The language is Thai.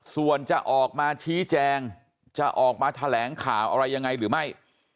ส่วนจะออกมาชี้แจงจะออกมาแถลงข่าวอะไรยังไงหรือไม่